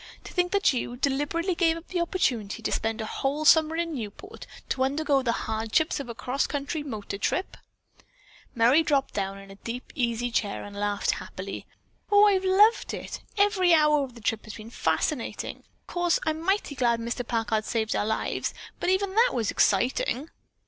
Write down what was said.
"To think that you deliberately gave up the opportunity to spend a whole summer in Newport to undergo the hardships of a cross country motor trip." Merry dropped down in a deep easy chair and laughed happily. "Oh, I've loved it! Every hour of the trip has been fascinating. Of course I'm mighty glad Mr. Packard saved our lives, but even that was exciting."